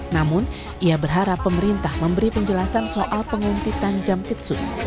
namun ia berharap pemerintah memberi penjelasan soal penguntitan jampitsus